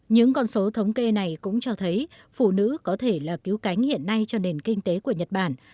những con số thống kê này cũng cho thấy phụ nữ có thể là cứu cánh hiện nay cho nền kinh tế của nhật bản